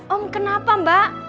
om kenapa mbak